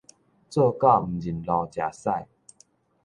做狗毋認路食屎